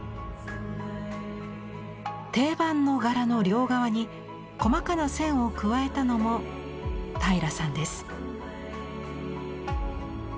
定番の柄の両側に細かな線を加えたのも平良さんです。